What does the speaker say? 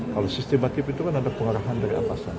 kalau sistematif itu kan ada pengarahan dari atasan